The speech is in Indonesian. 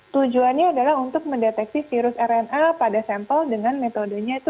tujuannya adalah untuk mendeteksi virus rna pada sampel dengan metodenya itu